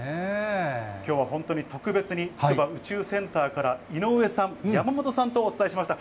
きょうは本当に特別に、筑波宇宙センターから、井上さん、山本さんとお伝えしました。